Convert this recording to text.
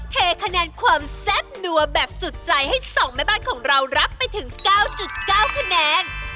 เทคะแนนความแซ่บนัวแบบสุดใจให้๒แม่บ้านของเรารับไปถึง๙๙คะแนน